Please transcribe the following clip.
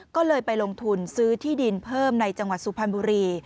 ก็เลยไปลงทุนซื้อที่ดินเพิ่มในจังหวัดสุพรรณบุรี